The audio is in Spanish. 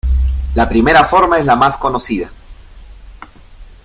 La primera forma es la más conocida.